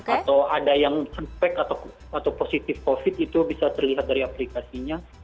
atau ada yang sunpect atau positif covid itu bisa terlihat dari aplikasinya